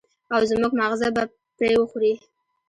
او زموږ ماغزه به پرې وخوري.